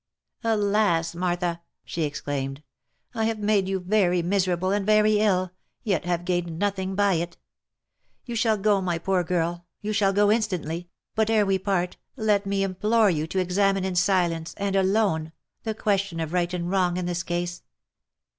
" Alas, Martha !" she exclaimed, " I have made you very miserable, and very ill, yet have gained nothing by it ! You shall go, my poor girl, you shall go instantly, but ere we part, let me implore you to ex amine in silence, and alone, the question of right and wrong in this case.